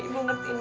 ibu ngerti nak